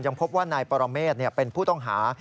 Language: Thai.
พบว่านายปรเมฆเป็นผู้ต้องหา